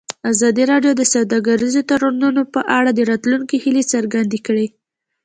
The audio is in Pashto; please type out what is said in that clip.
ازادي راډیو د سوداګریز تړونونه په اړه د راتلونکي هیلې څرګندې کړې.